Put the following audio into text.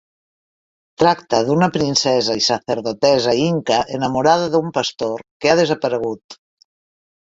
Tracta d'una princesa i sacerdotessa inca enamorada d'un pastor que ha desaparegut.